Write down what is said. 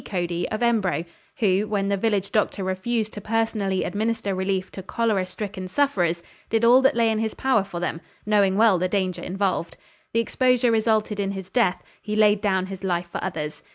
Cody, of Embro, who, when the village doctor refused to personally administer relief to cholera stricken sufferers, did all that lay in his power for them, knowing well the danger involved. The exposure resulted in his death; he laid down his life for others.